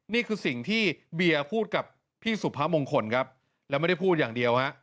นี่คือสิ่งที่เบียร์พูดกับพี่สุพมงคลครับแล้วไม่ได้พูดอย่างเดียวฮะ